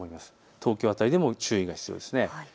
東京辺りでも注意が必要です。